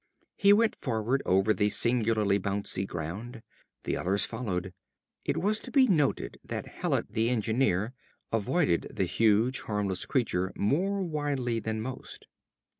He went forward over the singularly bouncy ground. The others followed. It was to be noted that Hallet the engineer, avoided the huge harmless creature more widely than most.